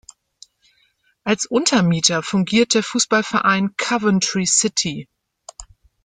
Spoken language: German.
Als Untermieter fungiert der Fußballverein Coventry City.